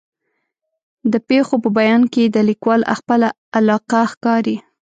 د پېښو په بیان کې د لیکوال خپله علاقه ښکاري.